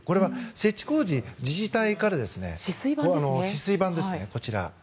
設置工事、自治体からですね。